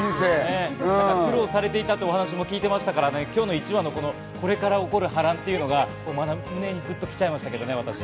苦労されていたってお話も聞いていましたから、今日の１話の、これから起こる波乱っていうのが、胸にグッと来ちゃいましたね。